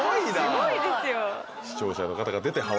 すごいですよ。